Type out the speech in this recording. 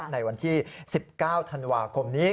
ในวันที่๑๙ธันวาคมนี้